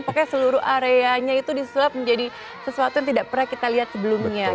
pokoknya seluruh areanya itu disulap menjadi sesuatu yang tidak pernah kita lihat sebelumnya